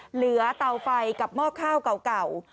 เหลือเตาไฟกับหม้อข้าวก่าว